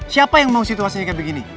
siapa yang mau situasinya kayak begini